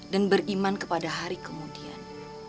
dan beriman kepada hari kemudian